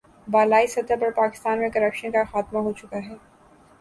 بالائی سطح پر پاکستان میں کرپشن کا خاتمہ ہو چکا ہے۔